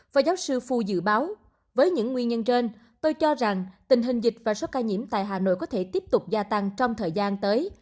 và giáo sư phu dự báo với những nguyên nhân trên tôi cho rằng tình hình dịch và số ca nhiễm tại hà nội có thể tiếp tục gia tăng trong thời gian tới